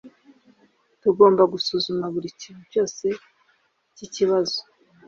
Tugomba gusuzuma buri kintu cyose cyikibazo.